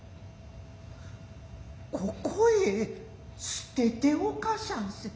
ここへ捨てて置かしゃんせ。